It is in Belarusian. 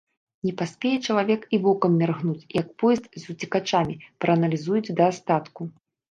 Не паспее чалавек і вокам міргнуць, як поезд з уцекачамі прааналізуюць да астатку.